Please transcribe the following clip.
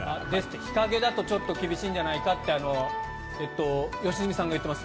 日陰だとちょっと厳しいんじゃないかと良純さんが言っています。